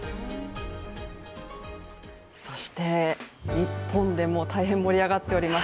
そして、日本でも大変盛り上がっております。